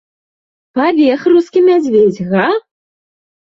Пабег рускі мядзведзь, га!